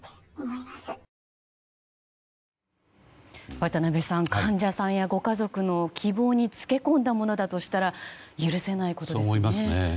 渡辺さん、患者さんやご家族の希望につけ込んだものだとしたらそう思いますね。